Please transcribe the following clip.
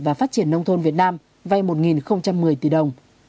và phát triển nông thôn việt nam vay một một mươi tỷ đồng